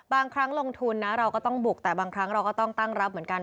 บางครั้งลงทุนนะเราก็ต้องบุกแต่บางครั้งเราก็ต้องตั้งรับเหมือนกัน